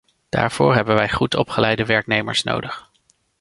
Daarvoor hebben wij goed opgeleide werknemers nodig.